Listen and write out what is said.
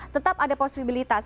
tetap ada posibilitas